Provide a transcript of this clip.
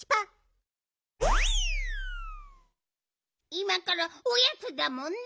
いまからおやつだもんね。